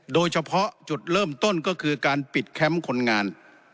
โดยเฉพาะจุดเริ่มต้นก็คือการปิดแคมป์คนงาน